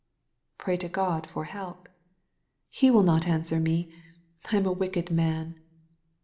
'* "Pray to God for help." "He will not answer me. I am a wicked man.